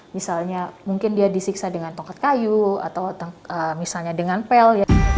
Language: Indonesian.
misalnya mungkin dia disiksa dengan tongkat kayu atau misalnya dengan pel